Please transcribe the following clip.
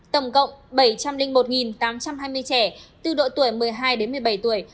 tổng cộng bảy trăm linh một tám trăm hai mươi trẻ từ độ tuổi một mươi hai đến một mươi bảy tuổi